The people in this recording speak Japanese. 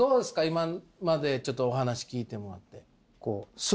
今までちょっとお話聞いてもらって。